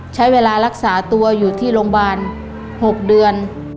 ใช้เวลารักษาตัวอยู่ที่โรงพยาบาล๖เดือน